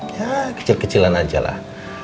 ya kecil kecilan aja lah